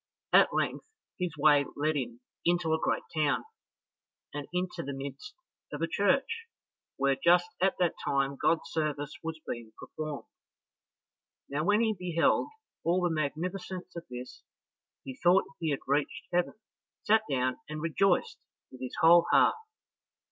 At length his way led him into a great town, and into the midst of a church, where just at that time God's service was being performed. Now when he beheld all the magnificence of this, he thought he had reached heaven, sat down, and rejoiced with his whole heart.